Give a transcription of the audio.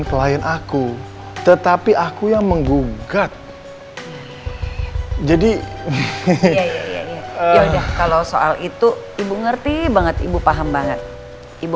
klien aku tetapi aku yang menggugat jadi yaudah kalau soal itu ibu ngerti banget ibu paham banget ibu